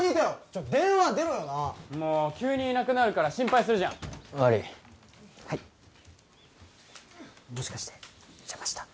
ちょっと電話出ろよなもう急にいなくなるから心配するじゃん悪いはいもしかして邪魔した？